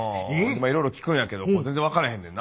まあいろいろ聞くんやけど全然分からへんねんな。